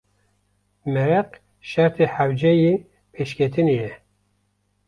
Meraq şertê hewce yê pêşketinê ye.